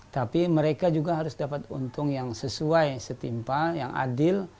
tapi mereka juga harus dapat untung yang sesuai setimpal yang adil